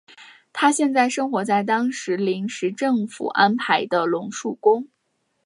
他现在生活在当时临时政府安排的龙树宫。